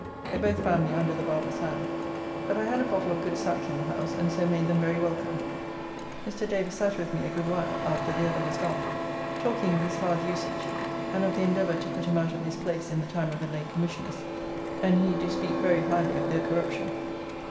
They both found me under the barber's hand; but I had a bottle of good sack in the house, and so made them very welcome. Mr. Davis sat with me a good while after the other was gone, talking of his hard usage and of the endeavour to put him out of his place in the time of the late Commissioners, and he do speak very highly of their corruption.